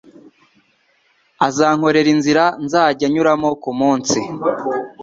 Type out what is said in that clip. Azankorera inzira nzajya nyuramo kumunsi